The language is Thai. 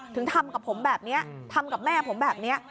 ถึงทำกับผมแบบนี้ทำกับแม่ผมแบบนี้